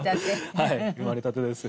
はい生まれたてです。